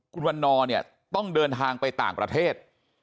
คุณวันนอร์เนี่ยต้องเดินทางไปต่างประเทศ